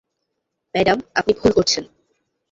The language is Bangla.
ম্যাডাম, আপনি ভুল করছেন।